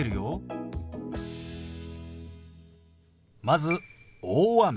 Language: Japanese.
まず「大雨」。